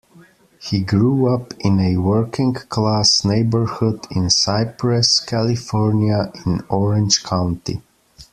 He grew up in a working-class neighborhood in Cypress, California, in Orange County.